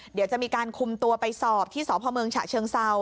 เดี๋ยวจะมีการคุมตัวไปสอบที่สพเมืองฉะเชิงเซา